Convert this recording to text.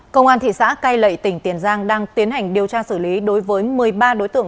công an thị xã cai lệ tỉnh tiền giang đang tiến hành điều tra xử lý đối với một mươi ba đối tượng